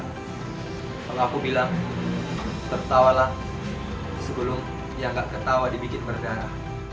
kalau aku bilang tertawalah sebelum ya nggak ketawa dibikin berdarah